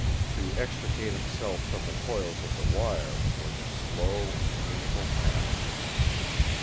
To extricate himself from the coils of the wire was a slow and painful task.